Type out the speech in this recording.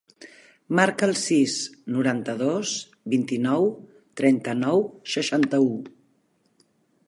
Marca el sis, noranta-dos, vint-i-nou, trenta-nou, seixanta-u.